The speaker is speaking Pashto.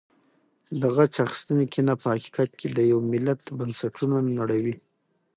د غچ اخیستنې کینه په حقیقت کې د یو ملت بنسټونه نړوي.